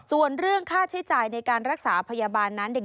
ส่วนเรื่องค่าใช้จ่ายในการรักษาพยาบาลนั้น